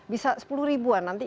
bisa sepuluh ribuan nanti